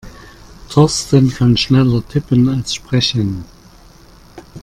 Thorsten kann schneller tippen als sprechen.